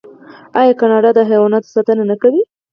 آیا کاناډا د حیواناتو ساتنه نه کوي؟